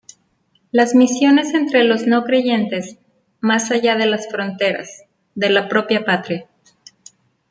Las misiones entre los no-creyentes, "más allá de las fronteras" de la propia patria.